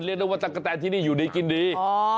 เรียกได้ว่าตั๊กกะแตนที่นี่อยู่ดีกินดี